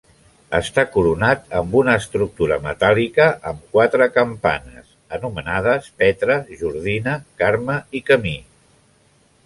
Està coronat amb una estructura metàl·lica amb quatre campanes, anomenades Petra, Jordina, Carme i Camí.